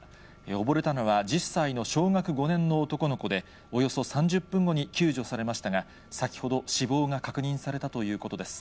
溺れたのは１０歳の小学５年の男の子で、およそ３０分後に、救助されましたが、先ほど死亡が確認されたということです。